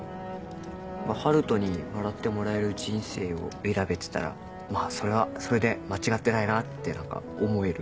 春斗に笑ってもらえる人生を選べてたらまぁそれはそれで間違ってないなって何か思える。